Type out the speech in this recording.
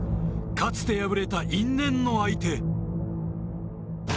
かつて敗れた因縁の相手。